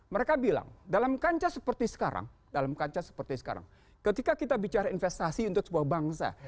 mereka bilang dalam kancah seperti sekarang dalam kancah seperti sekarang ketika kita bicara investasi untuk sebuah bangsa